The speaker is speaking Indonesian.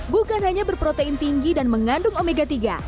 bukan hanya berprotein tinggi dan mengandung omega tiga